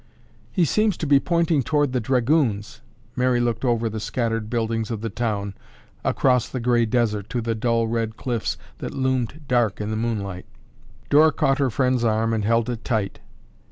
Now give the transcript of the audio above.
"He seems to be pointing toward 'The Dragoons.'" Mary looked over the scattered buildings of the town, across the gray desert to the dull red cliffs that loomed dark in the moonlight. Dora caught her friend's arm and held it tight.